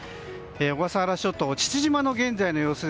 小笠原諸島父島の現在の様子。